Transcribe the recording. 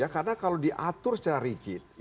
karena kalau diatur secara rigid